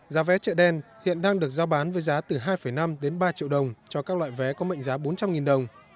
giá vé chợ đen hiện đang được giao bán với giá từ hai năm đến ba triệu đồng cho các loại vé có mệnh giá bốn trăm linh đồng